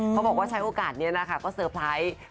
บอกว่าใช้โอกาสนี้นะคะก็เซอร์ไพรส์